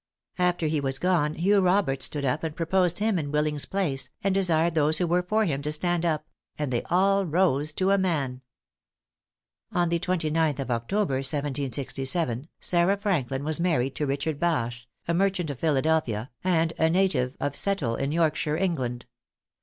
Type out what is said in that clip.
After he was gone, Hugh Roberts stood up and proposed him in Willing's place, and desired those who were for him to stand up; and they all rose to a man." On the 29th of October, 1767, Sarah Franklin was married to Richard Bache, a merchant of Philadelphia, and a native of Settle, in Yorkshire, England.